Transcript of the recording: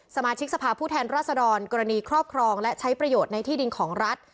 สมาชิกสภาพผู้แทนราษฎรกรณีครอบครองและใช้ประโยชน์ในที่ดินของรัฐ